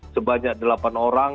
sebanyak delapan orang